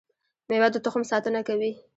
میوه د تخم ساتنه کوي